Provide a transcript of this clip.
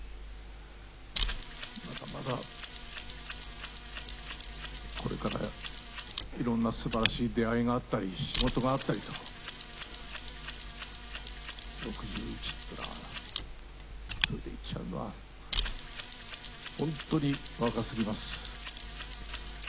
まだまだこれからいろんなすばらしい出会いがあったり、仕事があったりと、６１ってのは、それで逝っちゃうのは、本当に若すぎます。